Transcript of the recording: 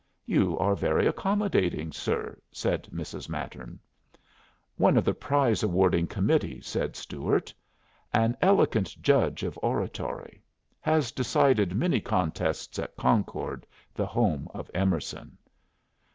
"You are very accommodating, sir," said Mrs. Mattern. "One of the prize awarding committee," said Stuart. "An elegant judge of oratory. Has decided many contests at Concord, the home of Emerson."